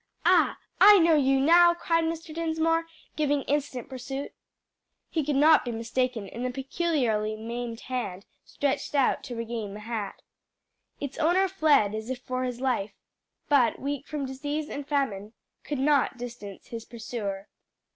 "Ah, I know you now!" cried Mr. Dinsmore, giving instant pursuit. He could not be mistaken in the peculiarly maimed hand stretched out to regain the hat. Its owner fled as if for his life, but, weak from disease and famine, could not distance his pursuer.